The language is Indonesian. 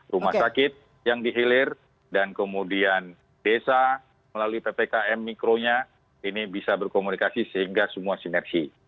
rumah sakit yang dihilir dan kemudian desa melalui ppkm mikronya ini bisa berkomunikasi sehingga semua sinergi